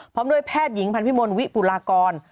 พร้อมด้วยแพทย์หญิงพันธิมลวิปุลากร